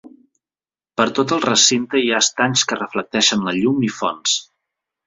Per tot el recinte hi ha estanys que reflecteixen la llum i fonts.